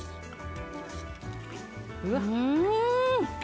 うん！